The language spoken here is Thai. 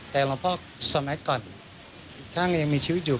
แต่หลวงพ่อสมัยก่อนท่านยังมีชีวิตอยู่